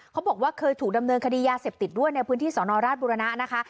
บอกว่าเคยถูกดำเนินคดียาเสพติดด้วยในพื้นที่สนราชบุรณะนะคะ